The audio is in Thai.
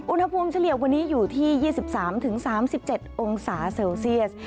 เฉลี่ยวันนี้อยู่ที่๒๓๓๗องศาเซลเซียส